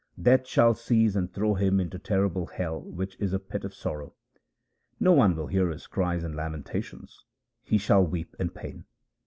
Death shall seize and throw him into terrible hell which is a pit of sorrow. No one will hear his cries and lamentations ; he shall weep in pain.